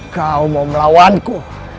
kau mau melawanku